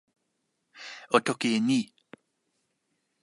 o toki e ni: